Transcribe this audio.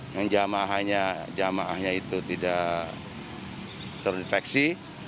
yang jamaahnya itu tidak terdeteksi